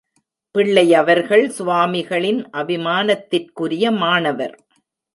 பிள்ளையவர்கள் சுவாமிகளின் அபிமானத்திற்குரிய மாணவர்.